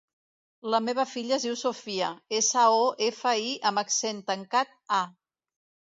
La meva filla es diu Sofía: essa, o, efa, i amb accent tancat, a.